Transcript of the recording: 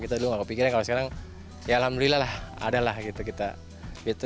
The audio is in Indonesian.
kita dulu nggak kepikiran kalau sekarang ya alhamdulillah lah ada lah gitu